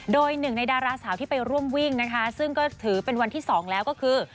โดยหนึ่งในดาราสาวที่ไปร่วมวิ่งนะคะซึ่งก็ถือเป็นวันที่๒แล้วก็คือ